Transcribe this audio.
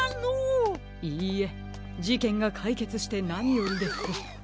いいえじけんがかいけつしてなによりです。